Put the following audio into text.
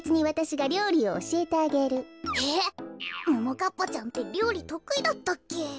こころのこええっももかっぱちゃんってりょうりとくいだったっけ？